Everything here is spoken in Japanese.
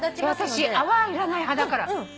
私泡いらない派だから。